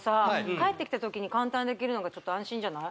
帰ってきた時に簡単にできるのが安心じゃない？